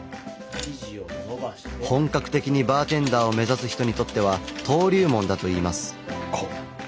本格的にバーテンダーを目指す人にとっては登竜門だといいます。